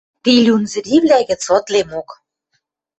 Ти люнзыривлӓ гӹц ытлемок.